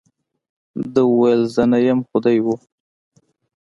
ده وویل، زه نه، خو دی وو.